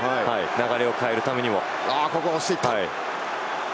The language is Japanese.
流れを変えるためにも。